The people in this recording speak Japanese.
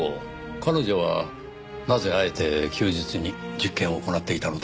彼女はなぜあえて休日に実験を行っていたのでしょう？